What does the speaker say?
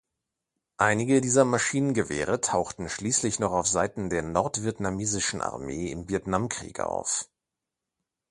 Einige dieser Maschinengewehre tauchten schließlich noch auf Seiten der nordvietnamesischen Armee im Vietnamkrieg auf.